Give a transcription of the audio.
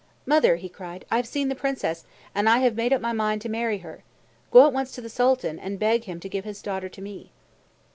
"Mother," he cried, "I have seen the Princess, and I have made up my mind to marry her. Go at once to the Sultan and beg him to give his daughter to me."